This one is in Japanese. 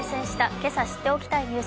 今朝知っておきたいニュース。